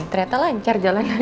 ternyata lancar jalanannya